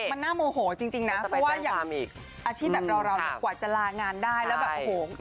มันน่าโมโหจริงนะเพราะว่าอย่างอาชีพแบบเราเนี่ยกว่าจะลางานได้แล้วแบบโอ้โห